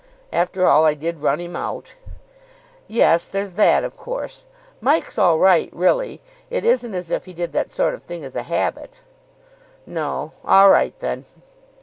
After all, I did run him out." "Yes, there's that, of course. Mike's all right, really. It isn't as if he did that sort of thing as a habit." "No. All right then."